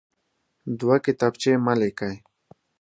دوه کتابچې مه لیکئ.